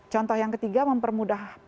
contoh yang ketiga mempermudah